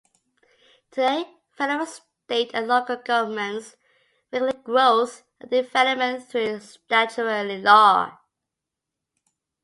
Today, federal, state, and local governments regulate growth and development through statutory law.